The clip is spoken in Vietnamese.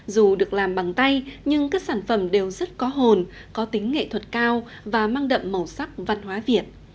dù được làm bằng tay nhưng các sản phẩm đều rất có hồn có tính nghệ thuật cao và mang đậm màu sắc văn hóa việt